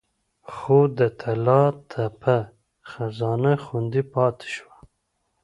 خو د طلا تپه خزانه خوندي پاتې شوه